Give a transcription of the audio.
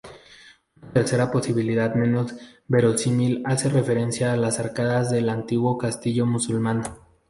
Una tercera posibilidad, menos verosímil, hace referencia a las arcadas del antiguo castillo musulmán.